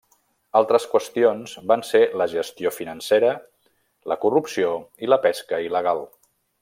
Altres qüestions van ser la gestió financera, la corrupció i la pesca il·legal.